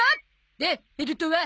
でベルトは？